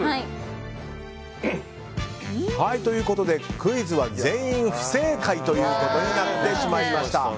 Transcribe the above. クイズは全員不正解ということになってしまいました。